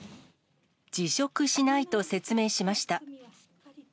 辞職しないと説明しました。